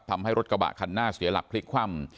ทำให้รถกระบะคันหน้าเสียหลักพลิกคว่ำ